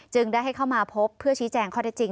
ได้ให้เข้ามาพบเพื่อชี้แจงข้อได้จริง